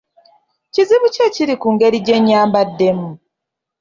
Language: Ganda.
Kizibu ki ekiri ku ngeri gye nyambaddemu?